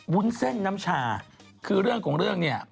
วุ้นเส้นน้ำชาคือเรื่องของเรื่องเนี่ย